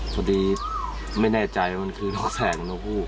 พอดีไม่แน่ใจว่ามันคือนกแสกนกหุ้ก